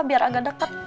biar agak deket